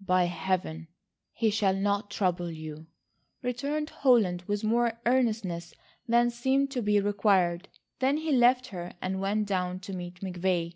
"By Heaven, he shall not trouble you," returned Holland with more earnestness than seemed to be required. Then he left her and went down to meet McVay.